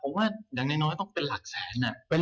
ผมว่าอย่างน้อยต้องเป็นหลักแสน